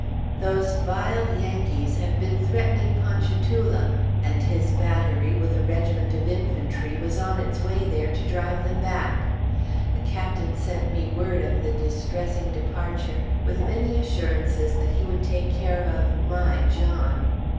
Those vile Yankees have been threatening Ponchatoula, and his battery, with a regiment of infantry, was on its way there to drive them back. The Captain sent me word of the distressing departure, with many assurances that he would take care of "my" John.